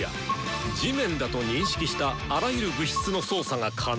地面だと認識したあらゆる物質の操作が可能。